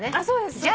そうです。